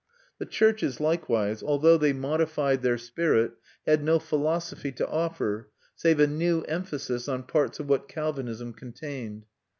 The churches, likewise, although they modified their spirit, had no philosophy to offer save a new emphasis on parts of what Calvinism contained.